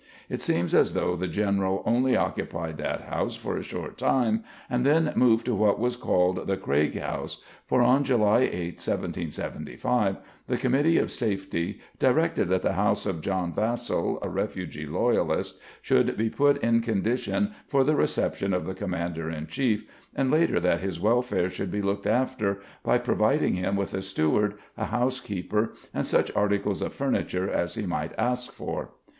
It seems as though the General only occupied that house for a short time and then moved to what was called the "Craige House" for on July 8, 1775, the committee of safety directed that the house of John Vassel, a refugee loyalist, should be put in condition for the reception of the commander in chief and later that his welfare should be looked after, by providing him with a steward, a housekeeper, and such articles of furniture as he might ask for.